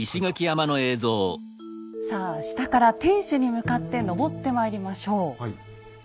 さあ下から天守に向かって登ってまいりましょう。